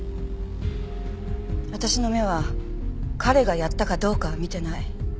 私の目は彼がやったかどうかは見てない。